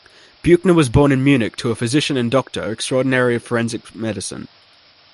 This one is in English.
Buchner was born in Munich to a physician and Doctor Extraordinary of Forensic Medicine.